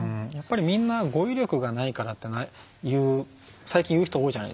みんな語彙力がないからって最近言う人多いじゃないですか。